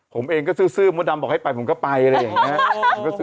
ผมเองก็ซื่อมดดำบอกให้ไปผมก็ไปอะไรอย่างนี้